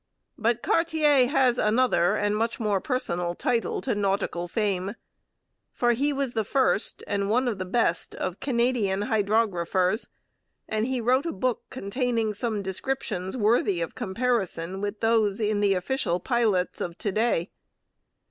But Cartier has another, and much more personal, title to nautical fame, for he was the first and one of the best of Canadian hydrographers, and he wrote a book containing some descriptions worthy of comparison with those in the official 'Pilots' of to day.